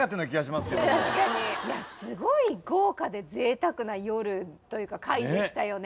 すごい豪華でぜいたくな夜というか回でしたよね。